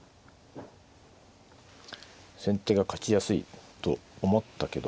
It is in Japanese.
先手が勝ちやすいと思ったけど。